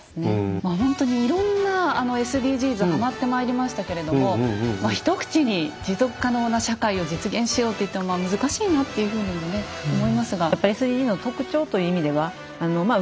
まあほんとにいろんなＳＤＧｓはまってまいりましたけれども一口に持続可能な社会を実現しようと言っても難しいなというふうにもね思いますが。